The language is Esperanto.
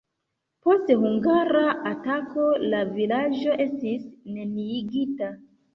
Post hungara atako la vilaĝo estis neniigita.